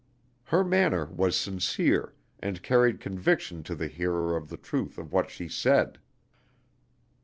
Her manner was sincere, and carried conviction to the hearer of the truth of what she said.